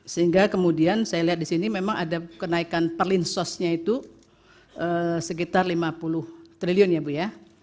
sehingga kemudian saya lihat di sini memang ada kenaikan perlinsosnya itu sekitar lima puluh triliun ya bu ya